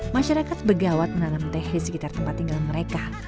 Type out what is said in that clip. masyarakat begawat menanam teh di sekitar tempat tinggal mereka